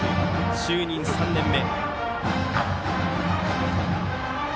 就任３年目。